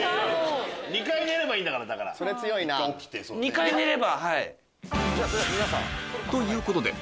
２回寝ればはい。